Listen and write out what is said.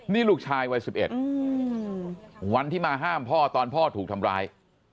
นี่ลูกชายวัย๑๑วันที่มาห้ามพ่อตอนพ่อถูกทำร้าย